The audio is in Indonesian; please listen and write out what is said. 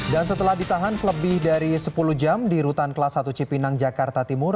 dan setelah ditahan selebih dari sepuluh jam di rutan kelas satu cipinang jakarta timur